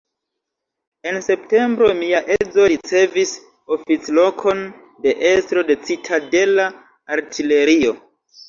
En septembro mia edzo ricevis oficlokon de estro de citadela artilerio.